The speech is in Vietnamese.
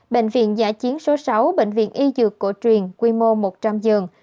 bệnh viện giả chiến số sáu bệnh viện y dược cổ truyền quy mô một trăm linh giường